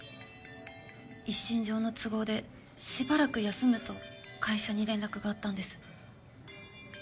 一身上の都合でしばらく休むと会社に連絡があったんです。